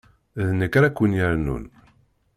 D nekk ara ken-yernun.